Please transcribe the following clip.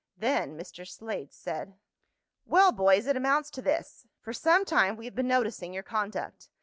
Then Mr. Slade said: "Well, boys, it amounts to this. For some time we have been noticing your conduct.